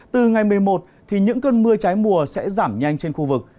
từ ngày một mươi một thì những cơn mưa trái mùa sẽ giảm nhanh trên khu vực